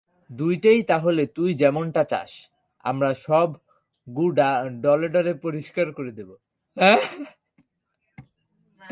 দুইটাই তাহলে তুই যেমনটা চাস, আমরা সব গু ডলে ডলে পরিষ্কার করে দেব।